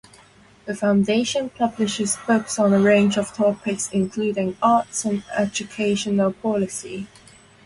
The foundation publishes books on a range of topics, including arts and educational policy.